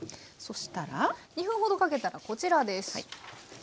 そしたら２分ほどかけたらこちらです。